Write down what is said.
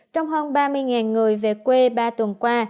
trong hơn ba mươi người về quê ba tuần qua